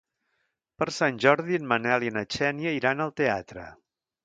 Per Sant Jordi en Manel i na Xènia iran al teatre.